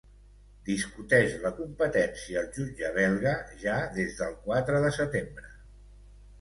Discuteix la competència al jutge belga ja des del quatre de setembre.